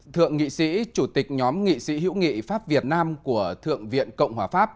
thượng nghị sĩ chủ tịch nhóm nghị sĩ hữu nghị pháp việt nam của thượng viện cộng hòa pháp